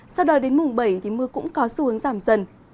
sau đó đến mùng bảy thì mưa cũng có xu hướng giảm dần